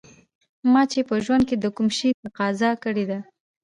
ما چې په ژوند کې د کوم شي تقاضا کړې ده